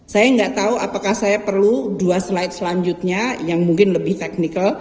saya nggak tahu apakah saya perlu dua slide selanjutnya yang mungkin lebih teknikal